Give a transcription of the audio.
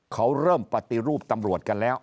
เขาเริ่มปฏิรูปตำรวจกันแล้ว